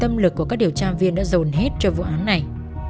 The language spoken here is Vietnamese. tâm lực của các điều tra viên đã dồn hết cho vụ án này